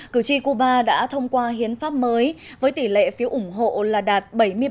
cử tri cuba đã thông qua hiến pháp mới với tỷ lệ phiếu ủng hộ là đạt bảy mươi ba ba mươi một